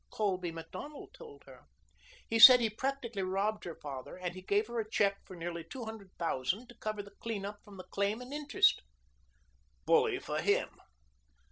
Colby Macdonald told her. He said he practically robbed her father, and he gave her a check for nearly two hundred thousand to cover the clean up from the claim and interest." "Bully for him."